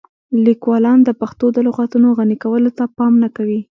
لیکوالان د پښتو د لغتونو غني کولو ته پام نه کوي.